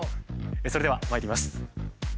それではまいります。